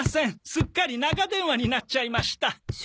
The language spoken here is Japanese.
すっかり長電話になっちゃいました。